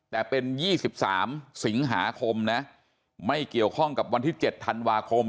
แต่เป็น๒๓สิงหาคมนะไม่เกี่ยวข้องกับวันที่๗ธันวาคม